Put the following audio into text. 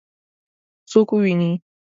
څوک وویني؟